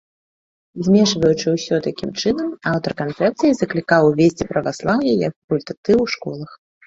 Змешваючы ўсё такім чынам, аўтар канцэпцыі заклікаў увесці праваслаўе як факультатыў у школах.